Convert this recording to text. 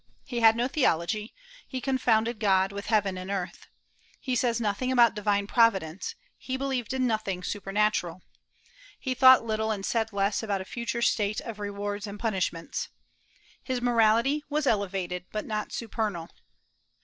He had no theology; he confounded God with heaven and earth. He says nothing about divine providence; he believed in nothing supernatural. He thought little and said less about a future state of rewards and punishments. His morality was elevated, but not supernal.